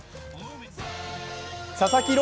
佐々木朗